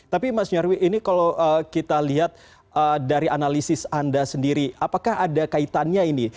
tapi mas nyarwi ini kalau kita lihat dari analisis anda sendiri apakah ada kaitannya ini